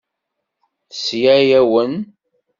Tesla-awen.